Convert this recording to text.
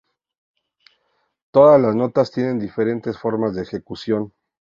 Todas las notas tienen diferentes formas de ejecución.